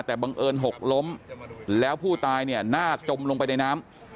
แต่บังเอิญหกล้มแล้วผู้ตายเนี่ยหน้าจมลงไปในน้ำ